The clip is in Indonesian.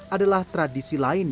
adalah tradisi lainnya